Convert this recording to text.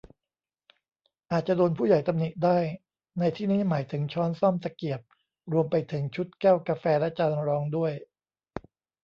อาจจะโดนผู้ใหญ่ตำหนิได้ ในที่นี้หมายถึงช้อนส้อม ตะเกียบ รวมไปถึงชุดแก้วกาแฟและจานรองด้วย